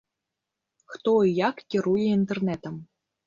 Хто і як кіруе інтэрнэтам?